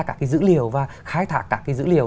các cái dữ liệu và khai thác các cái dữ liệu